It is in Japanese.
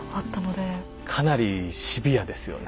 かなりシビアですよね。